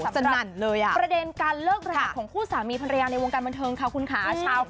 สำหรับประเด็นการเลิกรหักของคู่สามีภรรยาในวงการบันเทิงค่ะคุณค่ะ